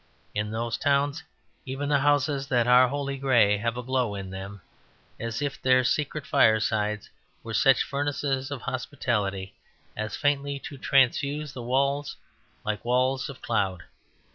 In those towns even the houses that are wholly grey have a glow in them; as if their secret firesides were such furnaces of hospitality as faintly to transfuse the walls like walls of cloud.